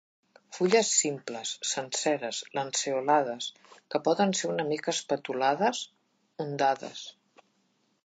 Fulles simples, senceres, lanceolades, que poden ser una mica espatulades, ondades.